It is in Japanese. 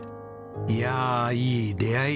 いやいい出会い。